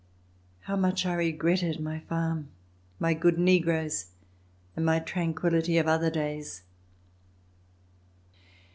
How much I regretted my farm, my good negroes and my tranquillity of other days!